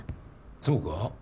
そうか？